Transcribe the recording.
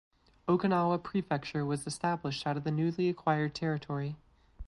Okinawa Prefecture was established out of the newly acquired territory.